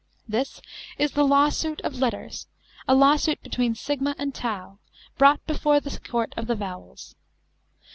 This is the Lawsuit of Letters ; a lawsuit between Sigma and Tau, brought before the court of the Vowels.